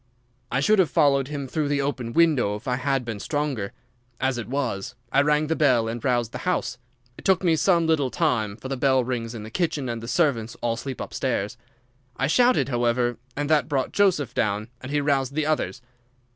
"I should have followed him through the open window if I had been stronger. As it was, I rang the bell and roused the house. It took me some little time, for the bell rings in the kitchen and the servants all sleep upstairs. I shouted, however, and that brought Joseph down, and he roused the others.